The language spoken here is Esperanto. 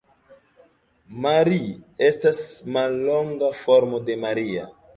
Mari estas mallonga formo de Maria.